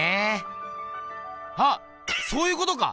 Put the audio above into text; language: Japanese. あっそういうことか！